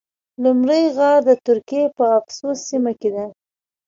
لومړی غار د ترکیې په افسوس سیمه کې ده.